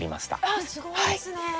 えっ、すごいですね！